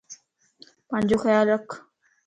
پانجو خيال رکَ